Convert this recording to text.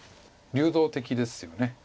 流動的ですよね。